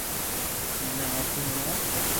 مني آپ ھي ھڻاو